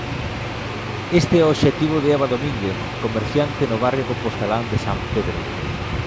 Este é o obxectivo de Eva Domínguez, comerciante no barrio compostelán de San Pedro.